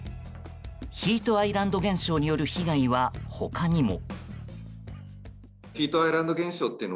ヒートアイランド現象による被害は他にも。